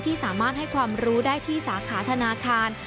สามารถให้ความรู้ได้ที่สาขาธนาคาร